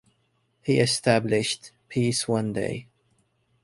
He established Peace One Day.